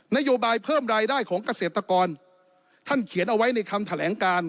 นโยบายเพิ่มรายได้ของเกษตรกรท่านเขียนเอาไว้ในคำแถลงการ